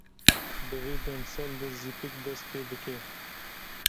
Di vê demsalê de zîpik dest pê dike.